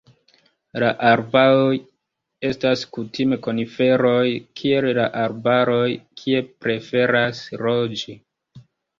La arboj estas kutime koniferoj kiel la arbaroj kie preferas loĝi.